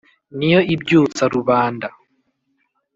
ni yo ibyutsa rubanda